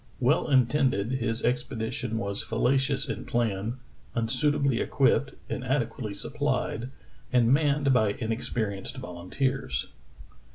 Well intended, his expedition was fallacious in plan, unsuitably equipped, inadequately supplied, and manned by inexperienced volunteers.